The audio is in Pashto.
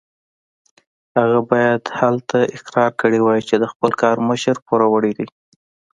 هغه باید هلته اقرار کړی وای چې د خپل کار مشر پوروړی دی.